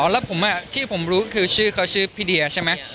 แล้วผมที่ผมรู้คือชื่อเขาชื่อพี่เดียใช่ไหม